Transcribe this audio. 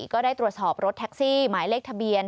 ก็ได้ตรวจสอบรถแท็กซี่หมายเลขทะเบียน